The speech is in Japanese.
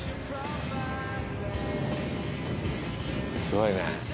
すごいね。